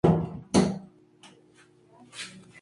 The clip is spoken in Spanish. Murray hizo de Hasten, en un episodio de Doctor Who.